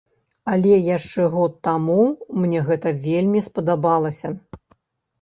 Але яшчэ год таму мне гэта вельмі спадабалася.